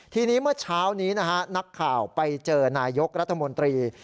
ทีนี้เมื่อเช้านี้นะฮะนักข่าวไปเจอนายกรัฐมนตรี